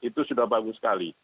itu sudah bagus sekali